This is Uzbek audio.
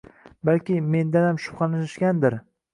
Balki, mendanam shubhalanishgandir